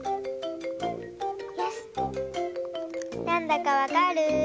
なんだかわかる？